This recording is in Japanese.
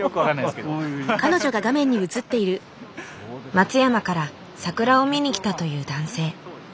松山から桜を見に来たという男性。